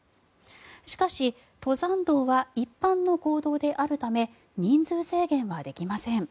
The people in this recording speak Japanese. しかし、登山道は一般の公道であるため人数制限はできません。